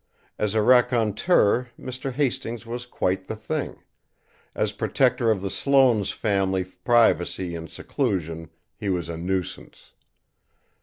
As a raconteur, Mr. Hastings was quite the thing; as protector of the Sloane family's privacy and seclusion, he was a nuisance.